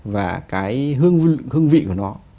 và cái hương vị của nó